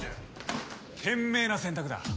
賢明な選択だ。